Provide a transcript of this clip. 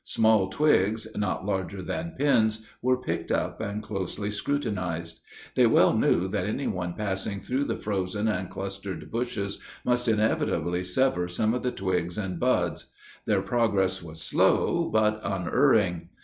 Small twigs, not larger than pins, were picked up and closely scrutinized. They well knew that anyone passing through the frozen and clustered bushes must inevitably sever some of the twigs and buds Their progress was slow, but unerring.